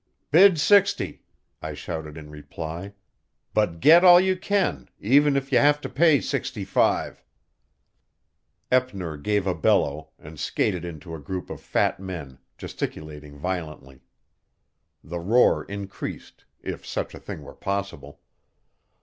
"Bid sixty," I shouted in reply, "but get all you can, even if you have to pay sixty five." Eppner gave a bellow, and skated into a group of fat men, gesticulating violently. The roar increased, if such a thing were possible.